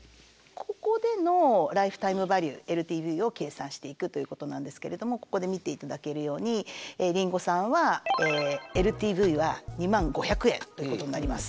ここでのライフタイムバリューＬＴＶを計算していくということなんですけれどもここで見ていただけるようにりんごさんはＬＴＶは２０，５００円ということになります。